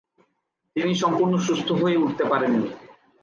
তিনি সম্পূর্ণ সুস্থ্য হয়ে উঠতে পারেন নি।